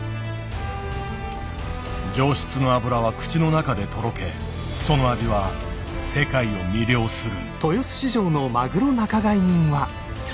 上質の脂は口の中でとろけその味は世界を魅了する。